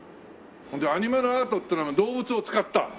ほんでアニマルアートっていうのは動物を使った。